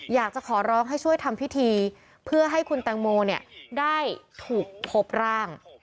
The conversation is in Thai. อยากจะขอร้องให้ช่วยทำพิธีเพื่อให้คุณแตงโมได้ถูกพบร่าง